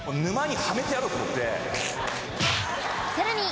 さらに！